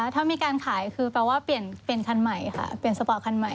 ถ้ามีการขายคือแปลว่าเปลี่ยนคันใหม่ค่ะเปลี่ยนสปอร์ตคันใหม่